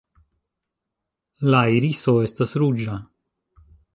La iriso estas ruĝa.